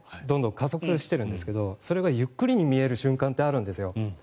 どんどん加速してるんですけどそれがゆっくりに見える瞬間ってあるんですよ。